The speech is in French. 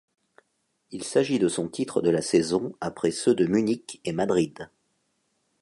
Il s'agit de son titre de la saison après ceux de Munich et Madrid.